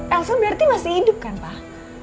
elsa berarti masih hidup kan pak